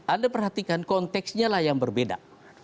anda perhatikan konteksnya lah yang berbeda